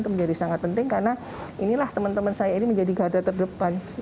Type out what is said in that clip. itu menjadi sangat penting karena inilah teman teman saya ini menjadi garda terdepan